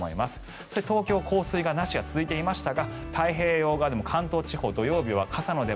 そして東京降水なしが続いていましたが太平洋側でも関東地方土曜日は傘の出番。